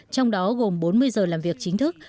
trong đó gồm bốn mươi giờ làm việc chính thức